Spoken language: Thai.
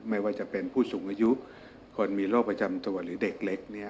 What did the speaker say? ไม่ว่าจะเป็นผู้สูงอายุคนมีโรคประจำตัวหรือเด็กเล็กเนี่ย